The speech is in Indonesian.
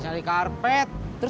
jangan ada darat lo